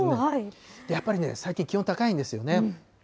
やっぱりね、最近、気温高いんですよね。